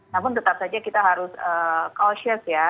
namun tetap saja kita harus caucious ya